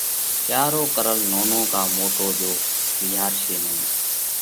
ڪيا رو ڪرل نونو ڪا موٽو ۮوه وِيهارشي نئين۔